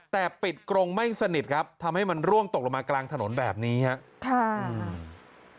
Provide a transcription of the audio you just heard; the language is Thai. แต่ปิดกรงไม่สนิทครับทำให้มันร่วงตกลงมากลางถนนแบบนี้ครับ